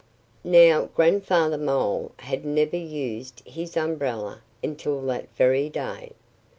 Now, Grandfather Mole had never used his umbrella until that very day.